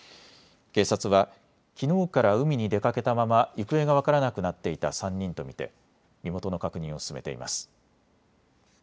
警察はきのうから海に出かけたまま行方が分からなくなっていた３人と見て身元の確認を進めています。